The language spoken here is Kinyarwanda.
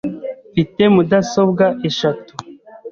Mfite mudasobwa eshatu .